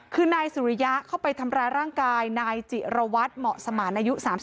คือนายสุริยะเข้าไปทำร้ายร่างกายนายจิรวัตรเหมาะสมานอายุ๓๓